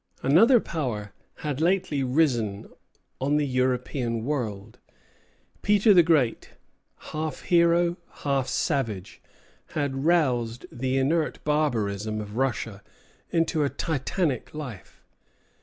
Another power had lately risen on the European world. Peter the Great, half hero, half savage, had roused the inert barbarism of Russia into a titanic life.